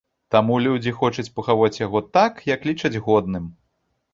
Таму людзі хочуць пахаваць яго так, як лічаць годным.